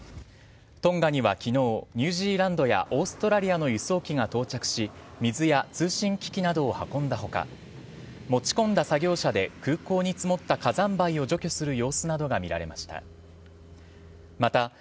トンガには昨日ニュージーランドやオーストラリアの輸送機が到着し水や通信機器などを運んだ他持ち込んだ作業車で空港に積もった火山灰を除去する様子などが見られました。